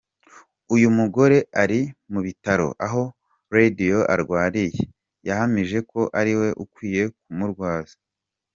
Uyu mugore ari mu bitaro aho Radio arwariye yahamije ko ariwe ukwiye kumurwaza.